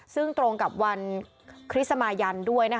ซึ่งตรงกับวันคริสต์มายันด้วย